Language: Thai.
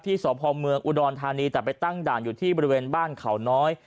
สพเมืองอุดรธานีแต่ไปตั้งด่านอยู่ที่บริเวณบ้านเขาน้อย